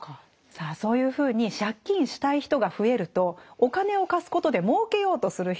さあそういうふうに借金したい人が増えるとお金を貸すことでもうけようとする人が現れます。